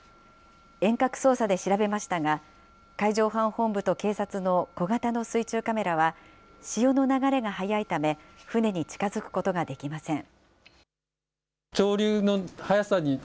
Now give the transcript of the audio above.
遠隔操作で調べましたが、海上保安本部と警察の小型の水中カメラは、潮の流れが速いため、船に近づくことができません。